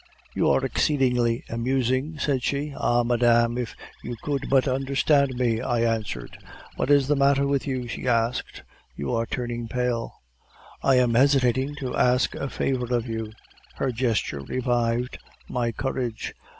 "'You are exceedingly amusing,' said she. "'Ah, madame, if you could but understand me!' I answered. "'What is the matter with you?' she asked. 'You are turning pale.' "'I am hesitating to ask a favor of you.' "Her gesture revived my courage.